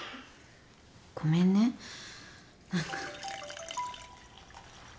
ごめんね、何か。